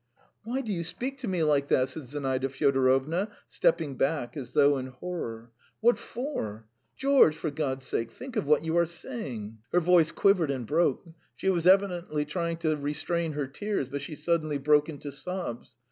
"Why do you speak to me like that?" said Zinaida Fyodorovna, stepping back as though in horror. "What for? George, for God's sake, think what you are saying!" Her voice quivered and broke; she was evidently trying to restrain her tears, but she suddenly broke into sobs.